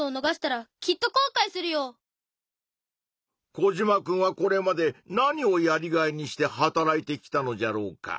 コジマくんはこれまで何をやりがいにして働いてきたのじゃろうか？